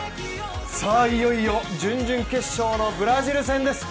いよいよ準々決勝のブラジル戦です。